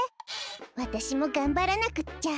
わたしもがんばらなくっちゃ。